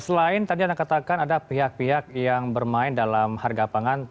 selain tadi anda katakan ada pihak pihak yang bermain dalam harga pangan